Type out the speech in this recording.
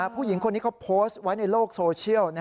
ผู้หญิงคนนี้เขาโพสต์ไว้ในโลกโซเชียล